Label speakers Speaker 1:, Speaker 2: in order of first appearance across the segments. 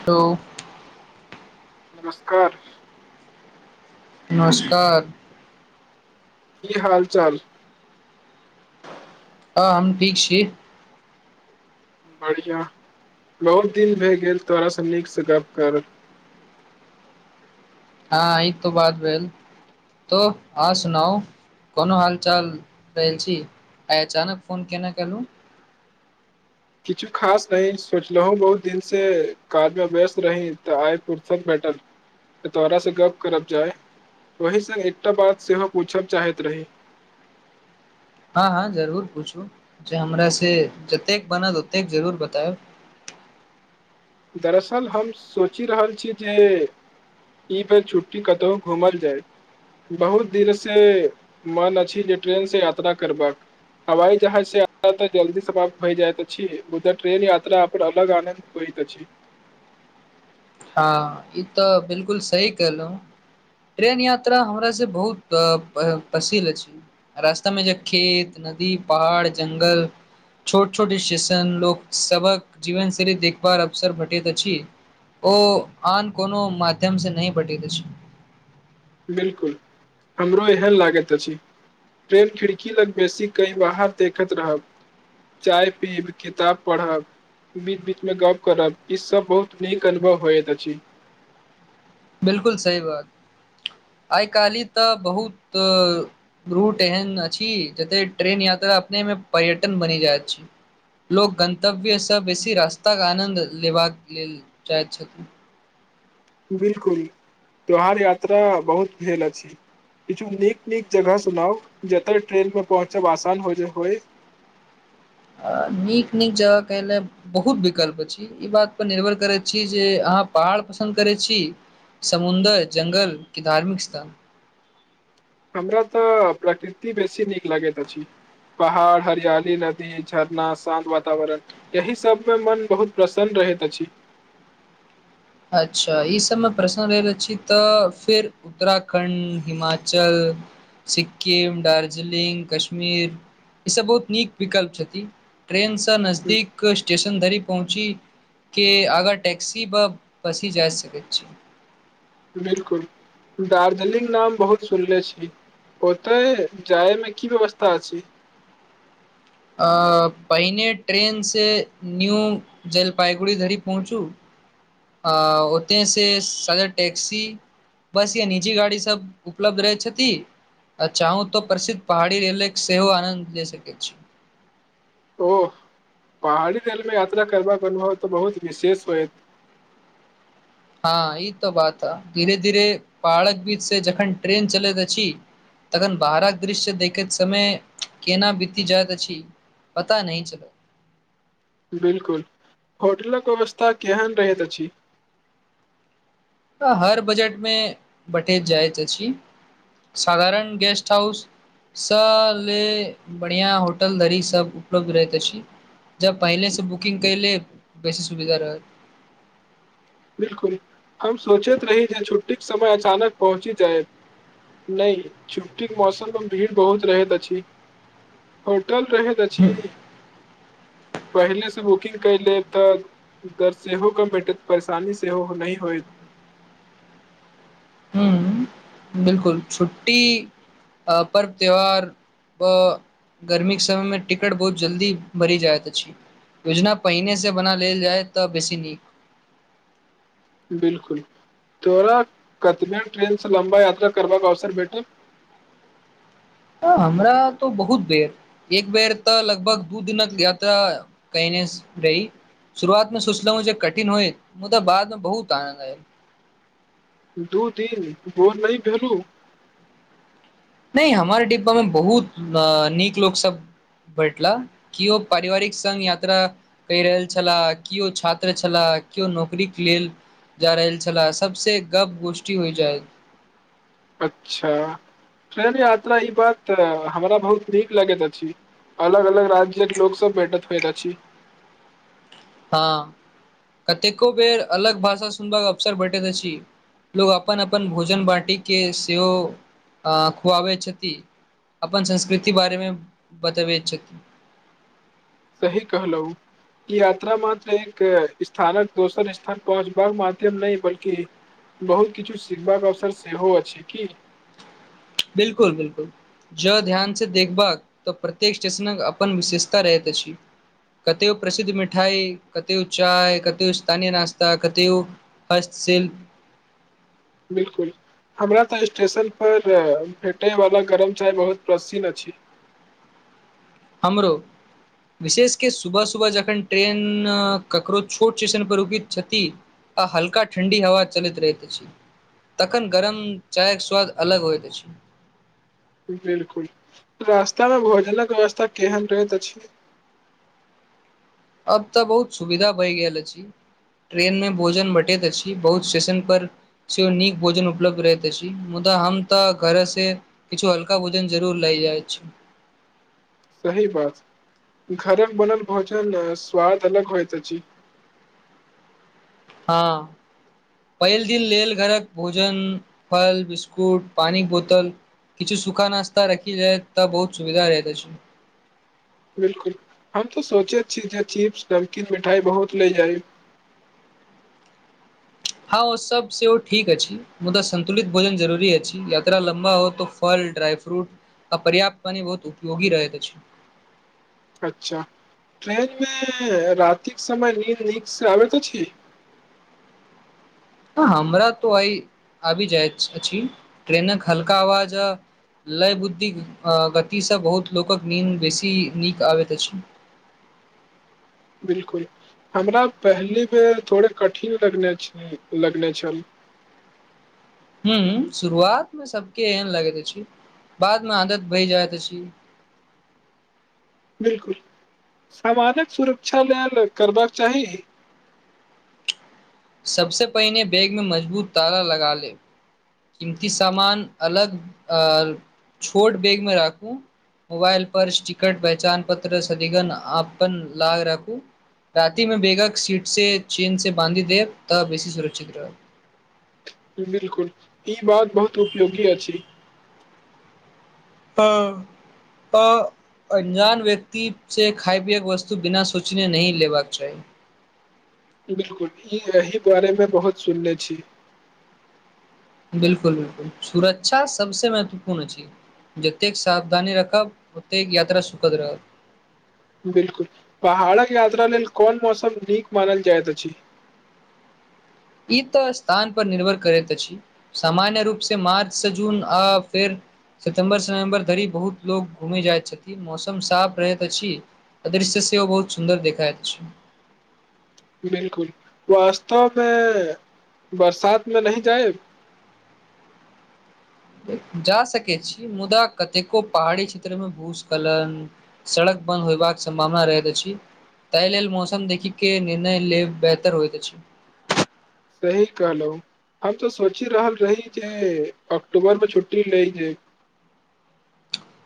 Speaker 1: Hello
Speaker 2: नमस्कार
Speaker 1: नमस्कार
Speaker 2: की हाल चाल?
Speaker 1: हँ हम ठीक छी
Speaker 2: बढ़िया बहुत दिन भए गेल तोरासँ नीक से गप करल।
Speaker 1: हँ, ई तऽ बात भेल। तऽ आओर सुनाउ। कोनो हाल चाल? रहल छी? आइ अचानक फोन केना केलहुँ?
Speaker 2: किछु खास नहि सोचलहुँ हऽ, बहुत दिनसँ काजमे व्यस्त रही, तऽ आइ फुरसतमे बैसल छी। तोरा सँ गप करबाक छल, ओहिसँ एकटा बात सेहो पूछब चाहैत रही।
Speaker 1: हँ हँ, जरूर पूछू। हमरा सँ जतेक बनत, ओतेक जरूर बतायब।
Speaker 2: दरअसल, हम सोचि रहल छी जे ई बेर छुट्टीमे कतहु घूमय जाय। बहुत दिनसँ मन अछि जे ट्रेनसँ यात्रा करी। हवाई जहाजसँ यात्रा तऽ जल्दी समाप्त भऽ जाइत अछि, मुदा ट्रेनक यात्रा के अपन अलग आनंद होइत अछि। जी
Speaker 1: हँ ई तऽ बिलकुल सही कहलहुँ ट्रेन यात्रा हमरासँ बहुत पसंड अछि रास्ता में जे खेत नदी पहाड़ ज्ंगल छोट छोट स्टेशन आ लोकसभक जीवनशैली देखबाक अवसर भेटैत अछि। ओ आन कोनो माध्यमसँ नहि भेटैत अछि।
Speaker 2: बिलकुल हमरो एहन लागैत अछि ट्रेन खिड़की लग बेसी कई बाहर देखैत रहब चाय पीब किताब पढ़ब बीच बीच में गप करब ई सभ बहुत नीक अनुभव होयइत अछि
Speaker 1: बिलकुल सही बात आइ काल्हि तऽ बहुत रूट एहन अछि जे ट्रेन यात्रा अपनेमे पर्यटन बनि जाइत अछि। लोक गन्तव्यसँ बेसी रास्ताक आनन्द लेबाक लेल चाहैत छथि।
Speaker 2: बिलकुल त्योहार यात्रा बहुत भेल अछि किछु नीक नीक जगह सुझाउ, जतय ट्रेनसँ पहुँचब आसान होइ।
Speaker 1: अ नीक नीक जगह कहले बहुत विकल्प अछि, ई बात पर निर्भर करैत अछि जे अहाँ पहाड़ पसन्द करैत छी समुद्र, जंगल कि धार्मिक स्थान?
Speaker 2: हमरा तऽ प्रकृति बेसी नीक लगैत अछि पहाड़ हरियाली नदी झरना शान्त वातावरण यही सभमे मन बहुत प्रसन्न रहैत अछि
Speaker 1: अच्छा ई सभमे प्रसन्न रहैत आछी तऽ फेर उत्तराखण्ड हिमाचल सिक्किम दार्जलिंग कश्मीर ई सभ बहुत नीक विकल्प छथि ट्रेन नजदीक स्टेशन धरि पहुँचि कऽ अगर टैक्सी बेसी जाइ सकै छी
Speaker 2: बिलकुल दार्जिलिंग नाम बहुत सुनले छी ओतय जाइमे की व्यवस्था छी
Speaker 1: पहिने ट्रेनसँ न्यू जलपाइगुड़ी धरि पहुँचू। आ ओतऽसँ साधारण टैक्सी बस या निजी गाड़ी सभ उपलब्ध रहैत अछि। अच्छा हँ, तऽ प्रसिद्ध पहाड़ी रेलक सेहो आनन्द लऽ सकैत छी।
Speaker 2: ओ पहाड़ी रेलमे यात्रा करबाक अनुभव तऽ बहुत विशेष होयत।
Speaker 1: हँ ई तो बात ह धीरे धीरे पहाड़क बीच से जखन ट्रेन चलैत अछि तखन बाहरक दृश्य देखैत समय केना बीती जाइत अछि पता नहि चलत
Speaker 2: बिलकुल होटलक व्यवस्था केहन रहैत अछि
Speaker 1: तऽ हर बजटमे भटेैत जाइत अछि साधारण गेस्ट हाउस स ले बढ़िआँ होटल धरी सभ उपलब्ध रहैत अछि जब पहिले सँ बुकिंग कै लेब बेसी सुविधा रहत
Speaker 2: बिलकुल हम सोचैत रही जे छुट्टीके समय अचानक पहुँची जायब नहि छुट्टीके मौसम मे भीड़ बहुत रहैत अछि होटल रहैत अछि पहिले से बुकिंग क लेब तऽ दर से होे कम भेंटत परेशानी से हो नहि होइत
Speaker 1: ह बिलकुल छुट्टी आ पर्व त्यौहार गर्मीक के समय मे टिकट बहुत जल्दी भरि जाइत अछि योजना पहिनेसँ बना लेल जाइ तऽ बेसी नीक
Speaker 2: बिलकुल तोरा कतब ट्रेन से लम्बा यात्रा करबाके अवसर भेटल
Speaker 1: ह हमरा तऽ बहुत बेर एक बेर तऽ लगभग दू दिनक यात्रा कयने रही शुरुआत में सोचलहु कठिन होई मुदा बादमे बहुत आनन्द आयल
Speaker 2: दू दिन बोर नहि भेलहु
Speaker 1: नहि हमर डिब्बा मे बहुत अ नीक लोक सब भेटल कीओ पारिवारिक संघ यात्रा कहि रहल छलाह किओ छात्र छलाह केओ नौकरीके लेल जा रहल छला सबसँ गप्प गोष्ठी होइ छै
Speaker 2: अच्छा ट्रेन यात्रा ई बात हमरा बहुत नीक लगैत अछि अलग अलग राज्यक लोक सब भेट होइत अछि
Speaker 1: हँ कतेको बेर अलग भाषा सुनबाक अवसर भेटैत अछि लोकोग अपन अपन भोजन बाटी के सेहो खुआबै छथि अपन संस्कृति बारेमे बतबैत छथिन
Speaker 2: सही कहलौं यात्रा मात्र एक स्थानक दोसर स्थान पहुँचबाक माध्यम नहि बल्कि बहुत किछु सीखबाक अवसर सेहो अछि की
Speaker 1: बिलकुल बिलकुल जँ ध्यानसँ देखबाक तऽ प्रत्येक स्टेशनक अपन विशेषता रहैत अछि कतेक ओ प्रसिद्ध मिठाई कतेओ चाय कतओ स्थानीय नाश्ता कतौ फर्स्ट सेल
Speaker 2: बिलकुल हमरा तऽ स्टेशन पर भेटयवला गरम चाय बहुत प्रसन्न अछि
Speaker 1: हमरो विशेष के सुबह सुबह जखन ट्रेन ककरो छोट स्टेशन पर रुकैत छथि आ हल्का ठंडी हवा चलैत रहत अछि तखन गरम चाय के स्वाद अलग होइत छै
Speaker 2: बिलकुल रास्तामे भोजनक व्यवस्था केहन रहैत अछि
Speaker 1: अब तऽ बहुत सुविधा भए गेल अछि ट्रेनमे भोजन बँटैत अछि बहुत स्टेशन पर श नीक भोजन उपलब्ध रहै तस मुदा हम तऽ घरेसे किछु हल्का भोजन जरूर लै जाइ छै
Speaker 2: सही बात घरमे बनल भोजन स्वाद अलग होइत अछि
Speaker 1: हँ पहिल दिन लेल घरक भोजन फल बिस्कुट पानिक बोतल किछु सूखा नास्ता रखिल जाय तऽ बहुत सुविधा रहैत अछि
Speaker 2: बिलकुल हम तो सोचैत छी जे चिप्स नमकीन मिठाइ बहुत ले जाइ
Speaker 1: हँ ओ सब सेहो ठीक अछि मुदा सन्तुलित भोजन जरुरी अछि यात्रा लम्बा हो तो फल ड्राई फ्रूट आ पर्याप्त पानी बहुत उपयोगी रहैत अछि।
Speaker 2: अच्छा ट्रेन मे रातिक समय नींद निक सँ आबैत अछि।
Speaker 1: हमरा तो अइ आबि जाइत अछि ट्रेनक हल्का आबाजऽ लय बुद्धिक गतिसँ बहुत लोकक नीन्द बेसी नीक आबैत अछि।
Speaker 2: बिलकुल हमरा पहिलि बेर थोड़े कठिन लगने छल लगने छल
Speaker 1: हम्म शुरुआत मे सबके एहन लगैत अछि बाद मे आदत भऽइ जाइत अछि।
Speaker 2: बिलकुल सामानक सुरक्षा लेल करबाक चाही।
Speaker 1: सबसे पहिने बैग मे मजबूत ताला लगा लेब कीमती सामान अलग छोट बेैगमे राखू मोबाइल पर टिकट पहचान पत्र सदिगन अपन लाय रखू राति मे बैगक सीट से चेन से बाँधी देब तब बेसी सुरक्षित रहब
Speaker 2: बिलकुल ई बात बहुत उपयोगी अछि।
Speaker 1: हँ आ अंजान व्यक्ति सँ खाय पियएके वस्तु बिना सोचने नहि लेबाक चाही
Speaker 2: बिलकुल ई एहि बारे मे बहुत सुनने छी।
Speaker 1: बिलकुल बिलकुल सुरक्षा सबसे महत्वपूर्ण अछि। जतेक सावधानी रखब ओतेक यात्रा सुखद रहत।
Speaker 2: बिल्कुल पहाड़क यात्रा लेल कोन मौसम नीक मानल जाइत अछि।
Speaker 1: ई तऽ स्थान पर निर्भर करैत अछि। सामान्य रूप से मार्च सँ जून आ फेर सितम्बरसँ नवम्बर धरि बहुत लोग घूमे जाइत छथिन मौसम साफ रहैत अछि। आ दृश्य सेहो बहुत सुन्दर देखाइत छै।
Speaker 2: बिलकुल वास्तवमे बरसातमे नहि जाएब
Speaker 1: जा सकैत छी मुदा कतेको पहाड़ी क्षेत्रमे भूस्खलन। सड़क बन्द होयबाक सम्भावना रहैत अछि। तहि लेल मौसम देखि के निर्णय लेब बेहतर होइत अछि।
Speaker 2: सही कहलौं हम तऽ सोचि रहल रही जे अक्टूबरमे छुट्टी लै जे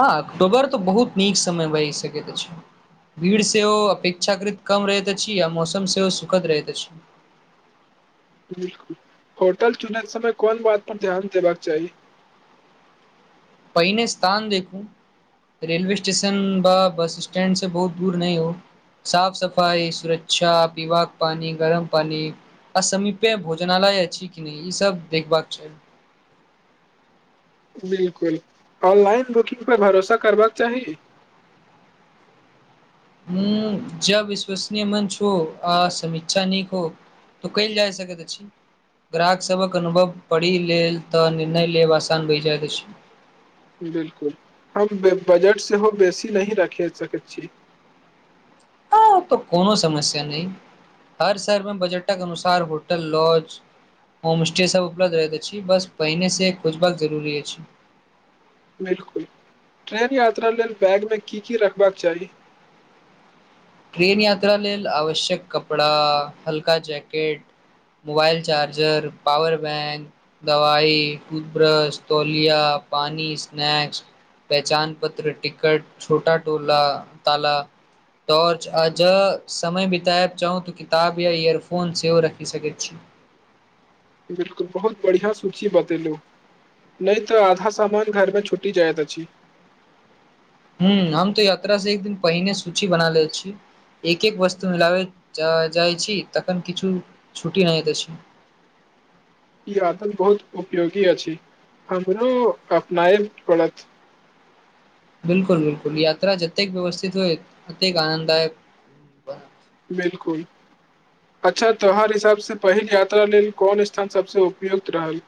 Speaker 1: हँ अक्टुबर तऽ बहुत नीक समय बहि सकैत अछि। भीड़ सेहो अपेक्षाकृत कम रहैत अछि आ मौसम सेहो सुखद रहैत अछि।
Speaker 2: बिलकुल होटल चुनेके समय कोन बात पर ध्यान देबाक चाही
Speaker 1: पहिने स्थान देखूँ रेलवे स्टेशन बा बस स्टैंडसँ बहुत दूर नहि हो। साफ सफाइ सुरक्षा पीबाक पानी गरम पानी। आ समीप्य भोजनालय अछि की नहि ई सब देखबाक चाही।
Speaker 2: बिलकुल ऑनलाइन बुकिंग पर भरोसा करबाक चाही।
Speaker 1: हूँ जब विश्वसनीय मंच हो आ समीक्षा नीक हो तऽ कइल जाइ सकैत अछि ग्राहक सभक अनुभव पढ़ि लेल तऽ निर्णय लेब आसान भइ जाइत अछि।
Speaker 2: बिलकुल हम बजट सेहो बेसी नहि रखेय सकेत छी।
Speaker 1: हँ तो कोनो समस्या नहि हर शहर मे बजटक अनुसार होटल लॉज होम स्टे सब उपलब्ध रहैत अछि बस पहिनेसँ खोजबाक जरुरी अछि
Speaker 2: बिलकुल ट्रेन यात्रा लेल बैगमे की की रखबाक चाही
Speaker 1: ट्रेन यात्रा लेल आवश्यक कपड़ा हल्का jacket mobile charger power bank दवाइ टूथब्रश तौलिया पानी स्नैक्स। पहचान पत्र टिकट छोटा टोला ताला टॉर्च आ जँ समय बिताएब चाहूं तऽ किताब या इयरफोन सेहो रखि सकैत छी।
Speaker 2: बिलकुल बहुत बढ़िया सूची बतेेलौं नहि तऽ आधा सामान घरमे छुटि जाइत अछि
Speaker 1: ह हम तऽ यात्रा से एक दिन पहिने सूची बना ले छी एक एक वस्तु मिलाबे जाइ जाइछी तखन किछु छुट्टी नहि अछि
Speaker 2: ई आदत बहुत उपयोगी अछि हमरो अपनाय पड़त
Speaker 1: बिल्कुल बिल्कुल यात्रा जतेक व्यवस्थित होइ ओतेक आनंददायक
Speaker 2: बिलकुल अच्छा तोहार हिसाबसँ पहिल यात्रा लेल कोन स्थान सभसँ उपयुक्त रहल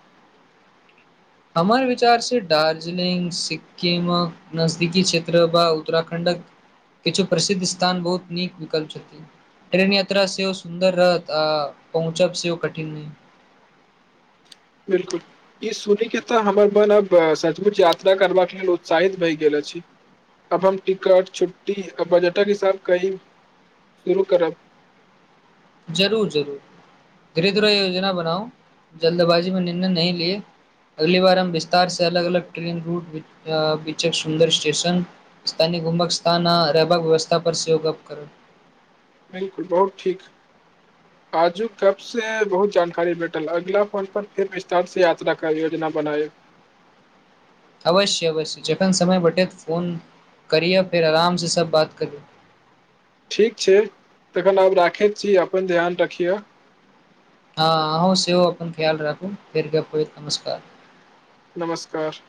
Speaker 1: हमर विचारसँ दार्जिलिंग सिक क नजदीकि क्षेत्र ब उत्तराखंडक किछु प्रसिद्ध स्थान बहुत नीक निकल छथिन ट्रेन यात्रा सेहो सुन्दर रहत आ पहुँचब सेहो कठिन
Speaker 2: बिलकुल ई सुनि के तऽ हमर मन अब सचमुच यात्रा करबाक लेल उत्साहित भय गेल अछि अब हम टिकट छुट्टी आ बजटक हिसाब कय शुरू करब
Speaker 1: जरूर जरूर गृद्रोह योजना बनाउ जल्दबाजी मे निर्णय नहि ली अगली बार हम विस्तार से अलग अलग ट्रेन रूट आ बीचक सुन्दर स्टेशन स्थानिक घुमकस्थान रहबाक व्यवस्था पर सोओ गप करब
Speaker 2: बिलकुल बहुत ठीक आजू तब से बहुत जानकारी भेटल अगिला फोन पर फेर विस्तार से यात्रा क योजना बनाएब
Speaker 1: अवश्य अवश्य जखन समय भेटेैत फोन करियअ फेर आरामसँ सब बात कर
Speaker 2: ठीक छै तखन आब राखैत छी अपन ध्यान रखियह
Speaker 1: हँ अहूँ सेहो अपन ख्याल राखू फेर गप होइत नमस्कार
Speaker 2: नमस्कार